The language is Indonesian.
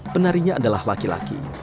penarinya adalah laki laki